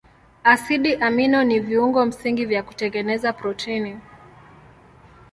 Asidi amino ni viungo msingi vya kutengeneza protini.